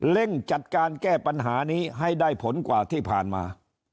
เร่งจัดการแก้ปัญหานี้ให้ได้ผลกว่าที่ผ่านมา